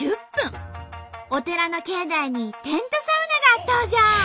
お寺の境内にテントサウナが登場！